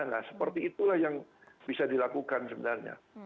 nah seperti itulah yang bisa dilakukan sebenarnya